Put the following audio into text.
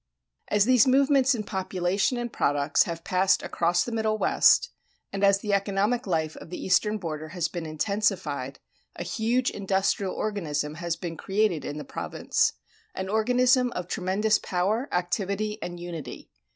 As these movements in population and products have passed across the Middle West, and as the economic life of the eastern border has been intensified, a huge industrial organism has been created in the province, an organism of tremendous power, activity, and unity.